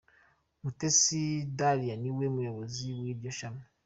Mutesi Dalia ni we muyobozi w’iryo shami.